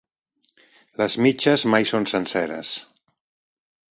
Les mitges mai són senceres.